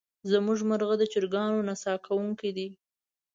زمونږ مرغه د چرګانو نڅا کوونکې دی.